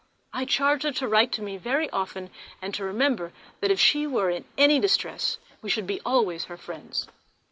I charged her to write to me very often, and to remember that if she were in any distress we should be always her friends.